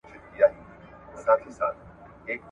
که وطن کي عدالت وي، نو هر څه سميږي.